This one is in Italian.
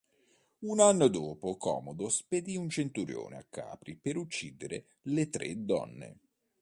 Un anno dopo Commodo spedì un centurione a Capri per uccidere le tre donne.